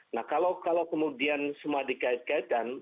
nah kalau kemudian semua dikait kaitkan